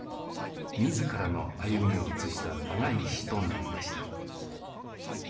自らの歩みを写した長い詩となりました。